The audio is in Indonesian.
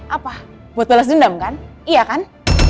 apa buat balas dendam kan iya kan